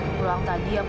kok saya sih pak